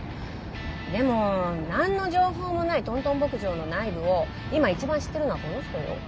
でも何の情報もないトントン牧場の内部を今一番知ってるのはこの人よ。